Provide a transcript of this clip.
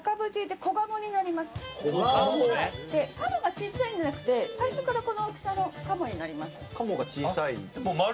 カモが小さいんじゃなくて最初からこの大きさのカモになります。